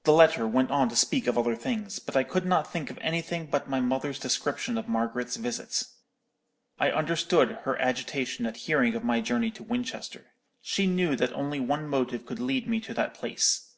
'_ "The letter went on to speak of other things; but I could not think of anything but my mother's description of Margaret's visit. I understood her agitation at hearing of my journey to Winchester. She knew that only one motive could lead me to that place.